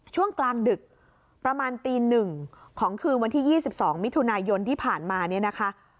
ช่วงกลางดึกประมาณตี๑ของคืนวันที่๒๒มิถุนายนที่ผ่านมาเนี่ยนะคะ